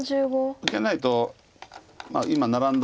受けないと今ナラんだ